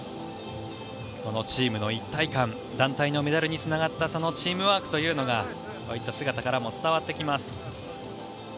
このチームの一体感団体のメダルにつながったそのチームワークというのがこういった姿からも伝わってきます。